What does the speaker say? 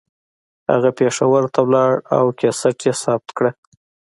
هغه پېښور ته لاړ او کیسټ یې ثبت کړه